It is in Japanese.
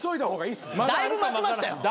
だいぶ待ちましたよ。